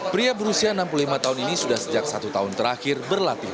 pria berusia enam puluh lima tahun ini sudah sejak satu tahun terakhir berlatih